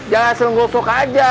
jangan selalu gosok aja